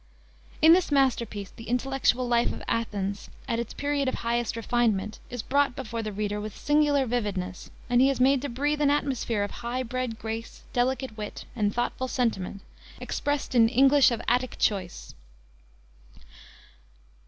In this masterpiece the intellectual life of Athens, at its period of highest refinement, is brought before the reader with singular vividness, and he is made to breathe an atmosphere of high bred grace, delicate wit, and thoughtful sentiment, expressed in English "of Attic choice."